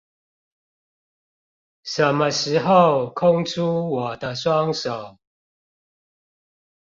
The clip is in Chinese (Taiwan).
什麼時候空出我的雙手